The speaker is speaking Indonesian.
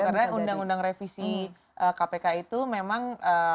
karena undang undang revisi kpk itu memang